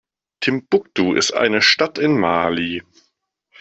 Timbuktu ist eine Stadt in Mali.